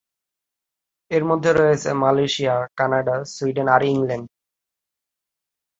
এর মধ্যে রয়েছে মালয়েশিয়া, কানাডা, সুইডেন আর ইংল্যান্ড।